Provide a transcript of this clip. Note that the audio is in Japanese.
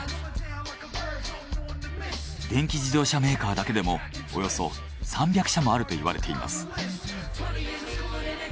電気自動車メーカーだけでもおよそ３００社もあるといわれています。